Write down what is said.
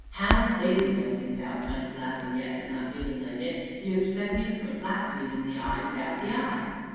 "How in blazes," I sings out, kind of laughing yet, but not feeling like it, "do you expect me to put flaxseed in a eye without the eye?"